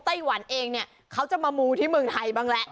เพราะว่าไต้หวันเองเนี่ยเค้าจะมามูที่เมืองไทยบ้างแหละ